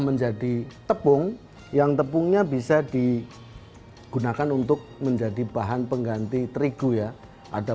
menjadi tepung yang tepungnya bisa digunakan untuk menjadi bahan pengganti terigu ya ada